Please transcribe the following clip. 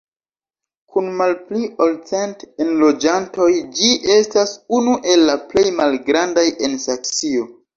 Kun malpli ol cent enloĝantoj ĝi estas unu el la plej malgrandaj en Saksio.